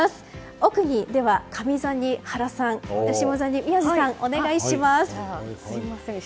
奥、上座に原さん下座に宮司さんお願いします。